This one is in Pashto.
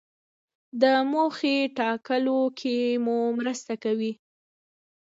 د موخې ټاکلو کې مو مرسته کوي.